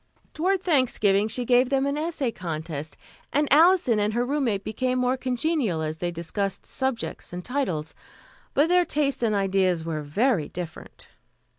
Toward Thanksgiving she gave them an essay contest, and Alison and her roommate became more congenial as they discussed subjects and titles. But their tastes and ideas were very different.